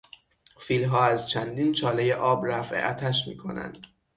فیلها از چندین چالهی آب رفع عطش میکنند.